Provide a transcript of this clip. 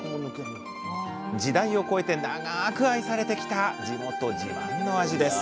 時代を超えて長く愛されてきた地元自慢の味です